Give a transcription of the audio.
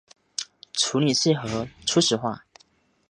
处理器核初始化